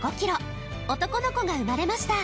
男の子が生まれました